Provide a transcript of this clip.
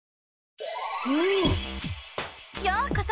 ようこそ！